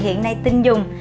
hiện nay tin dùng